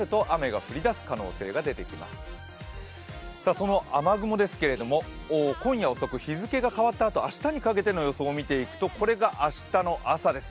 その雨雲ですけれども、今夜遅く、日付が変わったあと、明日にかけての予想を見ていくと、これが明日の朝です。